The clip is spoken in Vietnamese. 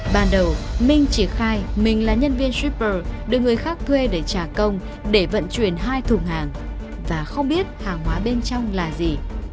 ban đầu minh chỉ khai mình là nhân viên shipper được người khác thuê để trả công để vận chuyển hai thùng hàng và không biết hàng hóa bên trong là gì